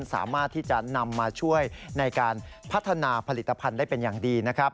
สามารถที่จะนำมาช่วยในการพัฒนาผลิตภัณฑ์ได้เป็นอย่างดีนะครับ